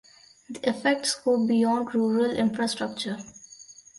The effects go beyond rural infrastructure.